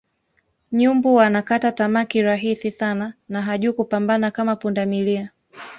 Nyumbu anakata tamaa kirahisi sana na hajui kupambana kama pundamilia